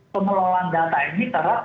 pengelolaan data ini terhadap